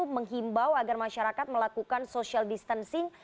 menghimbau agar masyarakat melakukan social distancing